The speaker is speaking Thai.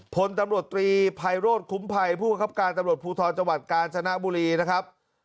พลตำรวจตรีภัยโรธคุ้มภัยผู้ประคับการตำรวจภูทรจังหวัดกาญจนบุรีนะครับ